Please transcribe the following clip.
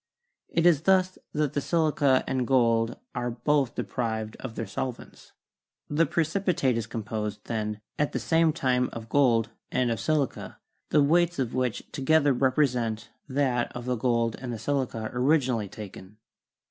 It is thus that the silica and gold are both deprived of their solvents. The precipitate is composed, then, at the same time of gold and of silica, the weights of which together represent that of the gold and of the silica originally taken."